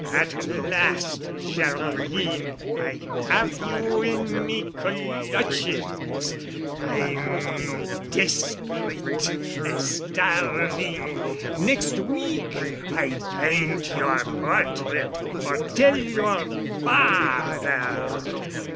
"At last, Geraldine, I have you in me cul lutches. I'm desprit and starving! Next week I paint your portrait—or tell your father!